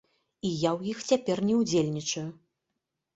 І я ў іх цяпер не ўдзельнічаю.